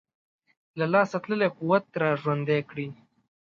له لاسه تللی قوت را ژوندی کړي.